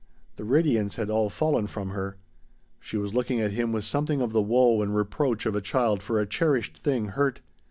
The radiance had all fallen from her. She was looking at him with something of the woe and reproach of a child for a cherished thing hurt.